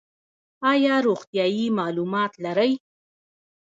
ایا روغتیایی معلومات لرئ؟